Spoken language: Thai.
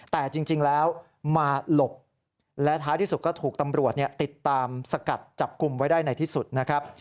แต่จริงแล้วมาหลบและท้ายที่สุดก็ถูกตำรวจติดตามสกัดจับกลุ่มไว้ได้ในที่สุดนะครับ